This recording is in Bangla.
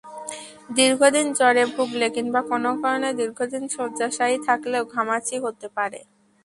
দীর্ঘদিন জ্বরে ভুগলে কিংবা কোনো কারণে দীর্ঘদিন শয্যাশায়ী থাকলেও ঘামাচি হতে পারে।